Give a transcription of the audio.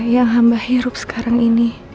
yang hamba hirup sekarang ini